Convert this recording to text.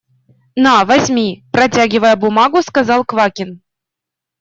– На, возьми, – протягивая бумагу, сказал Квакин.